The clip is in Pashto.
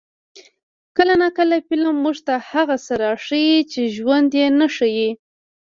کله ناکله فلم موږ ته هغه څه راښيي چې ژوند یې نه ښيي.